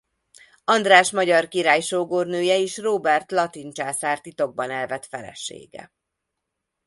András magyar király sógornője és Róbert latin császár titokban elvett felesége.